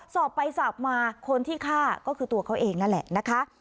สอบไปสอบมาคนที่ฆ่าก็คือตัวเขาเองนั่นแหละนะคะ